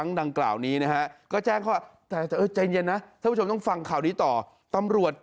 ปลายปีที่แล้ว